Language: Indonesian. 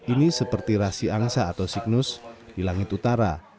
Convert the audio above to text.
ini seperti rasi angsa atau signus di langit utara